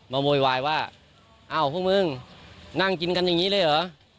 โวยวายว่าอ้าวพวกมึงนั่งกินกันอย่างนี้เลยเหรอ